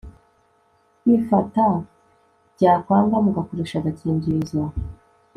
kwifata byakwanga mugakoresha agakingirizo